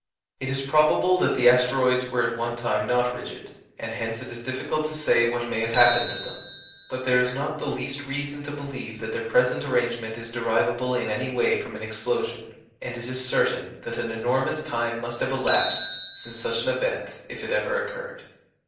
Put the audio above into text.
It is probable that the asteroids were at one time not rigid, and hence it is difficult to say what may have happened to them; but there is not the least reason to believe that their present arrangement is derivable in any way from an explosion, and it is certain that an enormous time must have elapsed since such an event if it ever occurred.